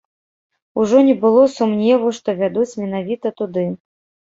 Ужо не было сумневу, што вядуць менавіта туды.